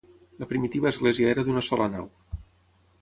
La primitiva església era d'una sola nau.